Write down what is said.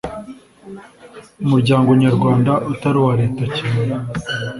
umuryango nyarwanda utari uwa Leta kimara